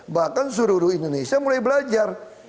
bahkan seluruh indonesia mulai belajar